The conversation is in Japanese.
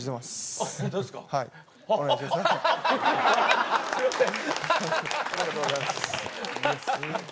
ありがとうございます。